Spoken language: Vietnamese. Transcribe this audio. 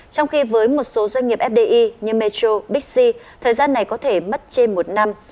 trong khi với một số doanh nghiệp fdi như metro bixi thời gian này có thể mất trên một năm